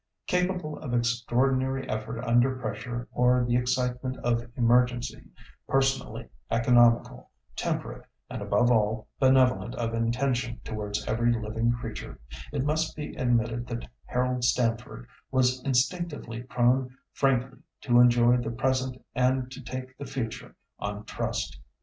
Capable of extraordinary effort under pressure or the excitement of emergency; personally economical; temperate, and, above all, benevolent of intention towards every living creature, it must be admitted that Harold Stamford was instinctively prone frankly to enjoy the present and to take the future on trust.